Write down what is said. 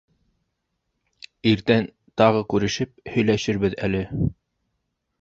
Иртән тағы күрешеп, һөйләшербеҙ әле.